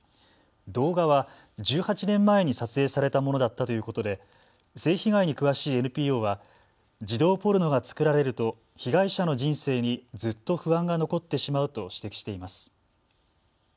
動画は１８年前に撮影されたものだったということで性被害に詳しいＮＰＯは児童ポルノが作られると被害者の人生にずっと不安が残ってしまうと指摘しています。